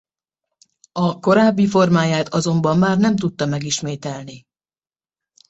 A korábbi formáját azonban már nem tudta megismételni.